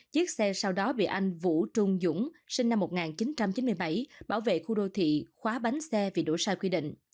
chiếc xe sau đó bị anh vũ trung dũng sinh năm một nghìn chín trăm chín mươi bảy bảo vệ khu đô thị khóa bánh xe vì đổ sai quy định